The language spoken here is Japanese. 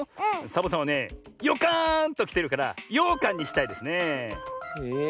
サボさんはねヨカーンときてるからようかんにしたいですねえ。